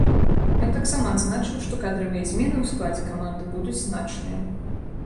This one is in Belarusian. Ён таксама адзначыў, што кадравыя змены ў складзе каманды будуць значныя.